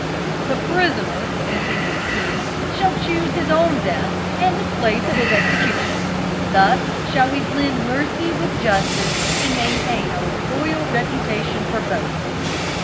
"The prisoner," continued the king, "shall choose his own death and the place of his execution. Thus shall we blend mercy with justice, and maintain our royal reputation for both."